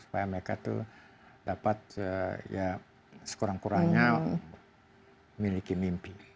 supaya mereka itu dapat ya sekurang kurangnya memiliki mimpi